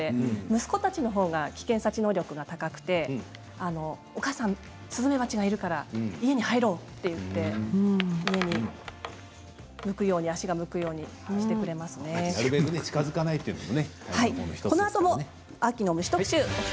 息子たちのほうが危険察知能力が高くてお母さん、スズメバチがいるから家に入ろうと言って家に足が向くようになるべく近づかないということもね。